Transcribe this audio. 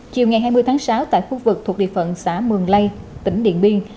chiều ngày hai mươi tháng sáu tại khu vực thuộc địa phận xã mường lây tỉnh điện biên